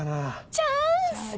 チャンス！